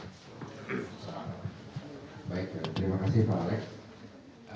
baik terima kasih pak alex